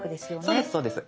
そうですそうです。